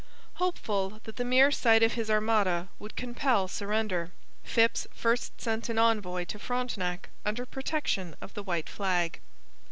Hopeful that the mere sight of his armada would compel surrender, Phips first sent an envoy to Frontenac under protection of the white flag.